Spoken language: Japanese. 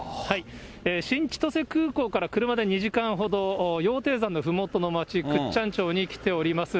新千歳空港から車で２時間ほど、羊蹄山のふもとの町、倶知安町に来ております。